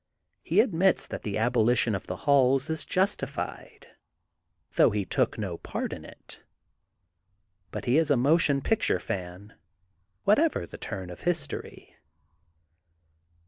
He admits that the abolition of the halls is justified, though he took no part in it. But he is a motion picture fan, whatever the turn of history.